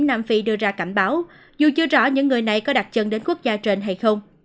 nam phi đưa ra cảnh báo dù chưa rõ những người này có đặt chân đến quốc gia trên hay không